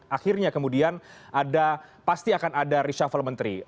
akhirnya kemudian pasti akan ada reshuffle menteri